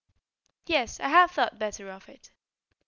"Yes, I have thought better of it."